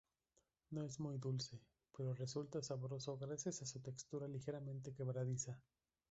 No es muy dulce, pero resulta sabroso gracias a su textura ligeramente quebradiza.